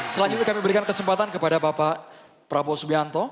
selanjutnya kami berikan kesempatan kepada bapak prabowo subianto